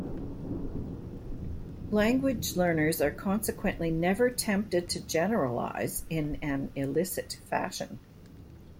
Language learners are consequently never tempted to generalize in an illicit fashion.